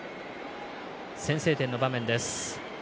先制点の場面です。